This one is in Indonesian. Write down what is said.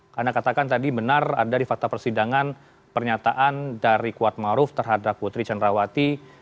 karena katakan tadi benar ada di fakta persidangan pernyataan dari kuat maruf terhadap putri cenrawati